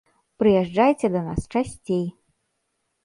Прыязджайце да нас часцей!